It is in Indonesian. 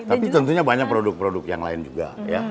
tapi tentunya banyak produk produk yang lain juga ya